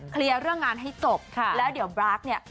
เคลียร์เรื่องงานให้จบแล้วเดี๋ยวบราคเนี่ย